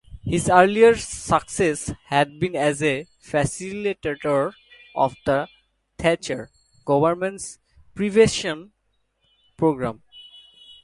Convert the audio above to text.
His earlier success had been as a facilitator of the Thatcher government's privatisation programme.